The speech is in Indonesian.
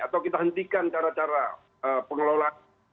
atau kita hentikan cara cara pengelolaan